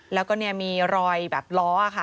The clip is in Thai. แล้วก็มีรอยแบบล้อค่ะ